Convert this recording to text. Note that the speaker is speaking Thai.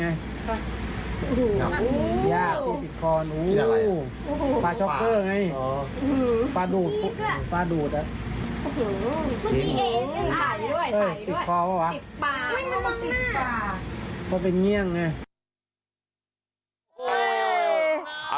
ยา